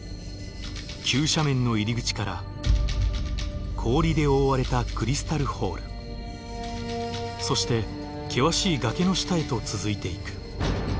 急斜面の入り口から氷で覆われたクリスタル・ホールそして険しい崖の下へと続いていく。